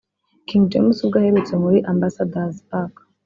King James ubwo aherutse muri Ambassador's Park